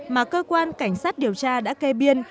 mà cơ quan cảnh sát điều tra đã kê biên